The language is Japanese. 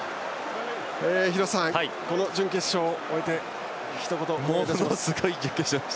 廣瀬さん、準決勝終えてひと言お願いします。